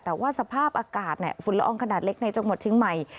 แต่ว่าสภาพอากาศฝุ่นละอองขนาดเล็กในจังหวัดเชียงใหม่